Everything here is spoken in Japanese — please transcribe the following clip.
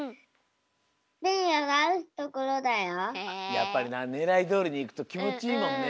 やっぱりなねらいどおりにいくときもちいいもんね。